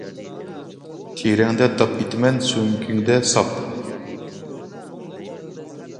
تېرەڭدە داپ ئېتىمەن، سۆڭىكىڭدە ساپ.